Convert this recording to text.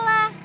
iya gak tante